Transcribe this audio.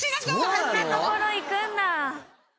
そんな所行くんだ！